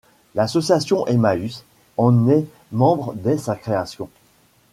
L'Association Emmaüs en est membre dès sa création.